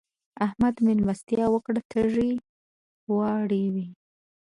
احمد؛ مېلمستيا وکړه - تيږه واړوئ.